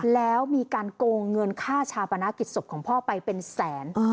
แล้วมีการโกงเงินค่าชาปนากิจศพของพ่อไปเป็นแสน